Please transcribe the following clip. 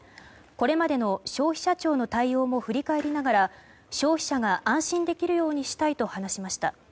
これまでの消費者庁の対応も振り返りながら消費者が安心できるようにしたいと話しました。